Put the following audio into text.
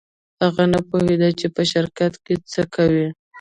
هغه نه پوهېده چې په شرکت کې څه کوي.